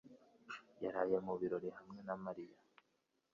yaraye mu birori hamwe na Mariya